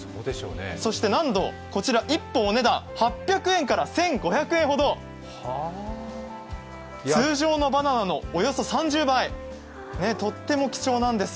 そしてこちらなんとお値段が８００円から１５００円ほど通常のバナナのおよそ３０倍、とっても貴重なんです。